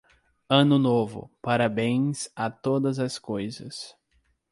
Ano Novo, parabéns a todas as coisas